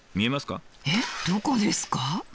えっどこですか？